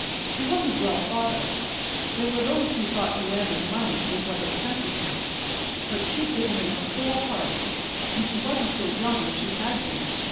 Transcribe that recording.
He wasn't well thought of, there were those who thought Joanna's money was what had tempted him; but she'd given him her whole heart, an' she wa'n't so young as she had been.